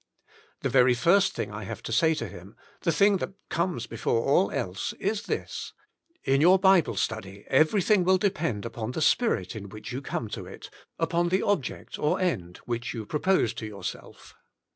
The very first thing I have to. say to him, the thing that comes before all else, is this :— In your Bible study everything will depend upon the spirit in which you come to it, upon the Object or End you propose to yourself.